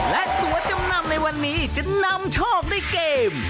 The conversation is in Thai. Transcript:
และตัวจำนำในวันนี้จะนำโชคด้วยเกม